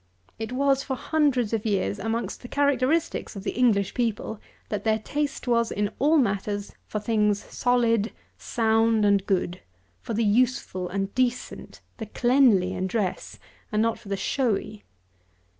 It was, for hundreds of years, amongst the characteristics of the English people, that their taste was, in all matters, for things solid, sound, and good; for the useful, and decent, the cleanly in dress, and not for the showy.